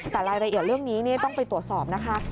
แต่รายละเอียดเรื่องนี้ต้องไปตรวจสอบนะคะ